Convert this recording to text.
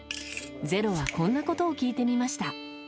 「ｚｅｒｏ」はこんなことを聞いてみました。